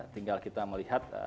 tinggal kita melihat